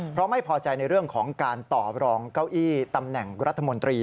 เพราะไม่พอใจในเรื่องของการต่อรองเก้าอี้ตำแหน่งรัฐมนตรี